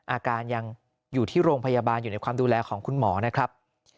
อาการยังอยู่ที่โรงพยาบาลอยู่ในความดูแลของคุณหมอนะครับ